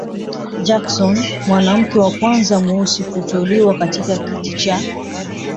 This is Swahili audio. Jackson, mwanamke wa kwanza mweusi kuteuliwa katika kiti cha